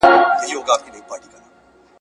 دا شعر د مشاعرې ترټولو ښه شعر بللی دی ,